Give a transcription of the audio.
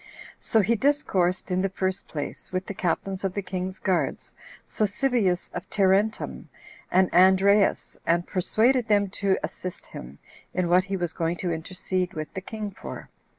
So he discoursed, in the first place, with the captains of the king's guards, Sosibius of Tarentum, and Andreas, and persuaded them to assist him in what he was going to intercede with the king for.